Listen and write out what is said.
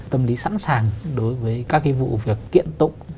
tâm lý sẵn sàng đối với các cái vụ việc kiện tụng